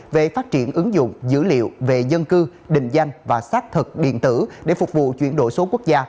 về phát triển ứng dụng dữ liệu về dân cư định danh và xác thực điện tử để phục vụ chuyển đổi số quốc gia